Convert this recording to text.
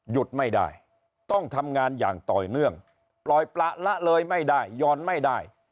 หยุดไม่ได้ต้องทำงานอย่างต่อเนื่องปล่อยประละเลยไม่ได้ยอนไม่ได้